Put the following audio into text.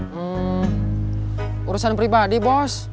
hmm urusan pribadi bos